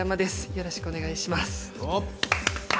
よろしくお願いします。